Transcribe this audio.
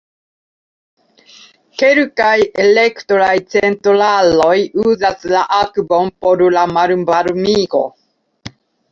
Kelkaj elektraj centraloj uzas la akvon por la malvarmigo.